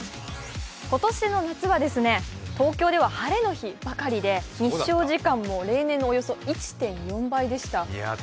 今年の夏は東京では晴れの日ばかりで日照時間も例年のおよそ１．４倍でした。